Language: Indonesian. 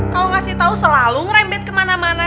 kalau ngasih tahu selalu ngerembet kemana mana